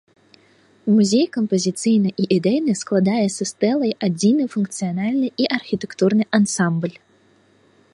Музей кампазіцыйна і ідэйна складае са стэлай адзіны функцыянальны і архітэктурны ансамбль.